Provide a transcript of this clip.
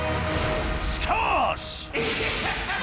しかし！